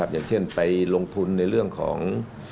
อย่างเช่นไปลงทุนในเรื่องของ